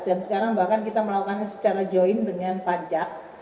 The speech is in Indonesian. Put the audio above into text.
dan sekarang bahkan kita melakukannya secara joint dengan pajak